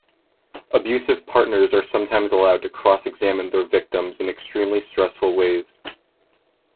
Abusive partners are sometimes allowed to cross examine their victims in extremely stressful ways.